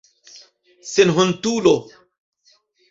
Senhontulo!